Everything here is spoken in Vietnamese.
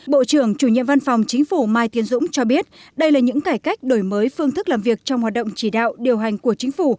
bộ trưởng chủ nhiệm văn phòng chính phủ mai tiến dũng cho biết đây là những cải cách đổi mới phương thức làm việc trong hoạt động chỉ đạo điều hành của chính phủ